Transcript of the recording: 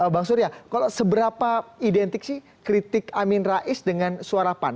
bang surya kalau seberapa identik sih kritik amin rais dengan suara pan